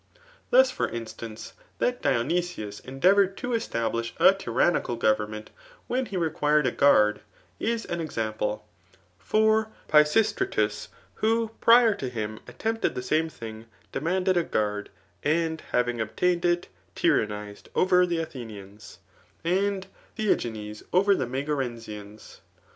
Thuf for insrance, that Dionysius endeavoured to establish a tyiwmical government, when he required a guard, is SA exaopi^e) for Fisistratus, who prior to him atten]9>ted the same thiiig, diwianded a guard, and having obtained kp tynumia^ [over the Athenians ;] and Theagenes over die lA^garenwDS.